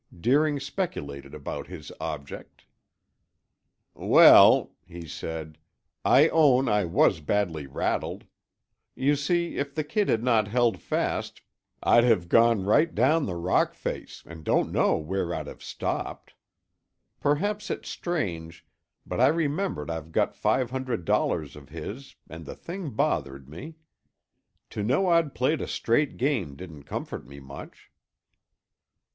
Deering speculated about his object. "Well," he said, "I own I was badly rattled. You see, if the kid had not held fast, I'd have gone right down the rock face and don't know where I'd have stopped. Perhaps it's strange, but I remembered I'd got five hundred dollars of his and the thing bothered me. To know I'd played a straight game didn't comfort me much."